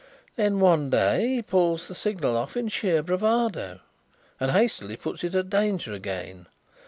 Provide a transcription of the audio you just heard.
Then one day he pulls the signal off in sheer bravado and hastily puts it at danger again.